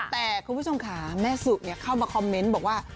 แต่คุณผู้ชมค่ะแม่สุเข้ามาคอมเมนต์บอกว่า